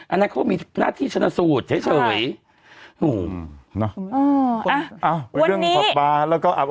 อันเนี้ยเขามีนักธีชนะสูจน์เฉยเฉยโหอ่าอ่าวันนี้แล้วก็อับ